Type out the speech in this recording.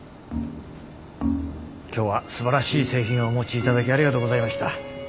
今日はすばらしい製品をお持ちいただきありがとうございました。